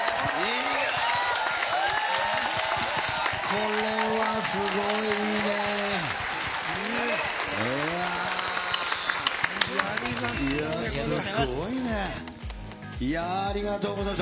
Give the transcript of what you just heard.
これはすごいいいね。